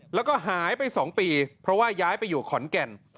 แล้วก็หายไป๒ปีเพราะว่าย้ายไปอยู่ขอนแก่น